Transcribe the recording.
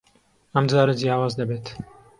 ئەم جارە جیاواز دەبێت.